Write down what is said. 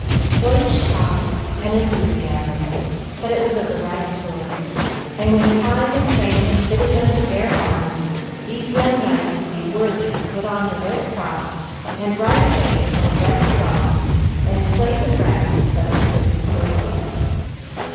Boyish talk and enthusiasm, but it was of the right sort; and when time and training had fitted them to bear arms, these young knights would be worthy to put on the red cross and ride away to help right the wrongs and slay the dragons that afflict the world.